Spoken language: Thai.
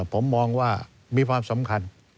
ผมมองว่ามีความสำคัญ